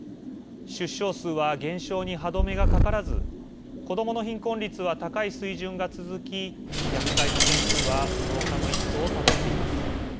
出生数は減少に歯止めがかからず子どもの貧困率は高い水準が続き虐待の件数は増加の一途をたどっています。